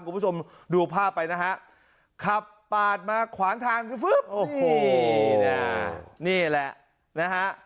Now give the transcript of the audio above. คุณผู้ชมดูภาพไปนะฮะขับปาดมาขวานทางนี่แหละนะฮะ